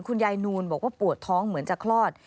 นูนบอกว่าปวดท้องเหมือนจะคลอด